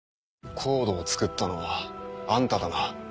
ＣＯＤＥを作ったのはあんただな？